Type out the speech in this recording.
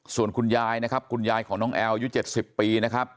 ส่วนคุณยายนะครับคุณยายของน้องแอลอายุ๗๐ปีนะครับ